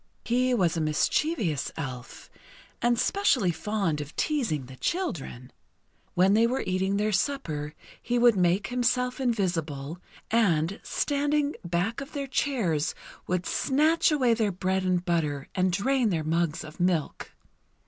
He was a mischievous Elf, and specially fond of teasing the children. When they were eating their supper, he would make himself invisible, and, standing back of their chairs, would snatch away their bread and butter and drain their mugs of milk.